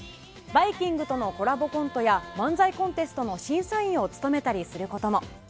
バイきんぐとのコラボコントや漫才コンテストの審査員を務めたりすることも。